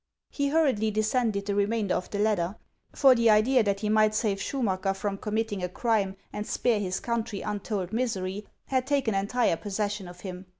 He hurriedly descended the remainder of the ladder ; f'nr the idea that he might save Schumacker from com mitting a crime and spare his country untold misery had taken entire possession of him.